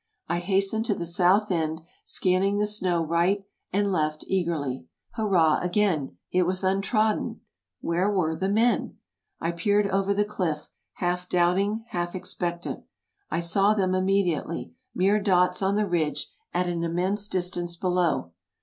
I hastened to the south end, scanning the snow right and left eagerly. Hurrah again ! it was untrodden. '' Where were the men ?'' I peered over the cliff, half doubting, half expectant. I saw them immediately, mere dots on the ridge, at an immense distance below.